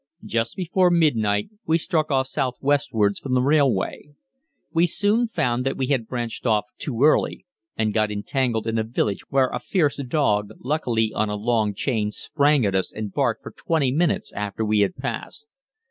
Just before midnight we struck off southwestwards from the railway. We soon found that we had branched off too early, and got entangled in a village where a fierce dog, luckily on a long chain, sprang at us and barked for twenty minutes after we had passed.